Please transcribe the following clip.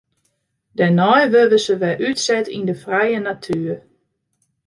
Dêrnei wurde se wer útset yn de frije natuer.